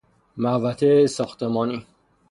محوطه ساختمانی